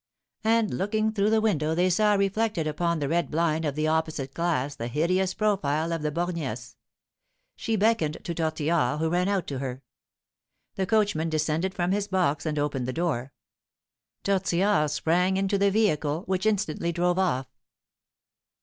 And, looking through the window, they saw reflected upon the red blind of the opposite glass the hideous profile of the Borgnesse. She beckoned to Tortillard, who ran out to her. The coachman descended from his box, and opened the door; Tortillard sprang into the vehicle, which instantly drove off.